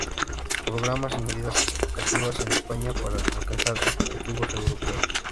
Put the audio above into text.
Programas y medidas educativas en España para alcanzar objetivos europeos.